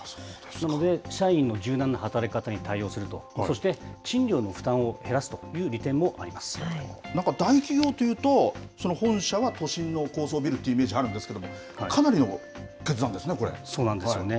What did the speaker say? なので、社員の柔軟な働き方に対応すると、そして賃料の負担を減なんか大企業というと、本社は都心の高層ビルというイメージがあるんですけれども、かなりのそうなんですよね。